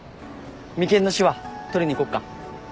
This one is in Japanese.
眉間のしわ取りに行こっか。